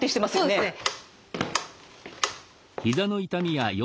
そうですね。